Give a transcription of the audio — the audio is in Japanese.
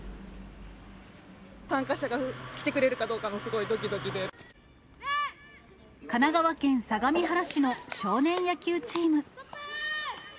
参加者が来てくれるかどうか神奈川県相模原市の少年野球チーム。